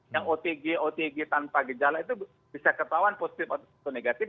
yang otg otg tanpa gejala itu bisa ketahuan positif atau negatif